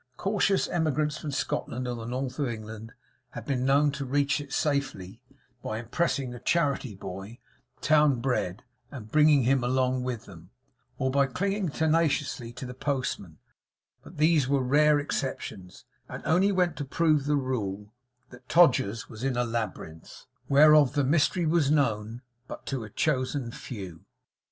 Cautious emigrants from Scotland or the North of England had been known to reach it safely, by impressing a charity boy, town bred, and bringing him along with them; or by clinging tenaciously to the postman; but these were rare exceptions, and only went to prove the rule that Todgers's was in a labyrinth, whereof the mystery was known but to a chosen few.